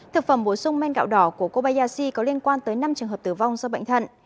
thực phẩm bổ sung men gạo đỏ của kobayashi có liên quan tới năm trường hợp tử vong do bệnh thận